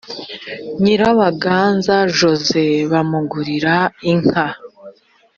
nyirabaganza jose bamugurira inka.